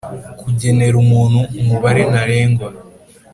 kugenera buri muntu umubare ntarengwa